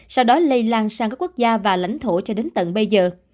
sau đó lây lan sang các quốc gia và lãnh thổ cho đến tận bây giờ